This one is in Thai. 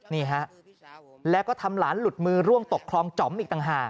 นี่ฮะแล้วก็ทำหลานหลุดมือร่วงตกคลองจอมอีกต่างหาก